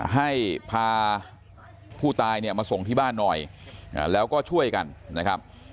ให้พาผู้ตายเนี่ยมาส่งที่บ้านหน่อยแล้วก็ช่วยกันนะครับ